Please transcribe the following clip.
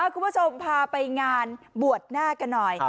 คุณผู้ชมพาไปงานบวชหน้ากันหน่อย